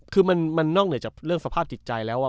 คือมันนอกเนื้อจากสภาพจิตใจแล้วอะ